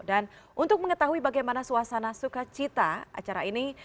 dan untuk mengetahui bagaimana suasana sukacita acara ini